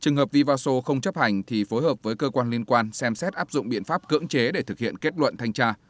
trường hợp vivaso không chấp hành thì phối hợp với cơ quan liên quan xem xét áp dụng biện pháp cưỡng chế để thực hiện kết luận thanh tra